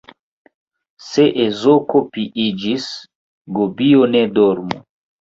Se ezoko piiĝis, gobio ne dormu.